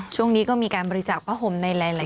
ช่วงนี้ก็มีการบริจาคผ้าห่มในหลาย